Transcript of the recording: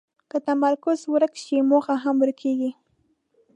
که تمرکز ورک شي، موخه هم ورکېږي.